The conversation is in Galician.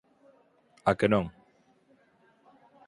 A que non?